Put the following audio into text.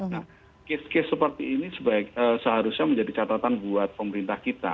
nah case case seperti ini seharusnya menjadi catatan buat pemerintah kita